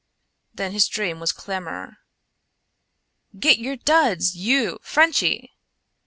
Then his dream was clamor. "Git your duds! you! Frenchy!"